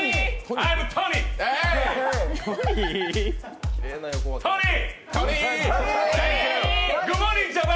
アイム・トニー。